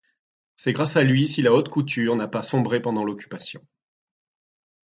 C'est grâce à lui si la haute couture n'a pas sombré pendant l'occupation.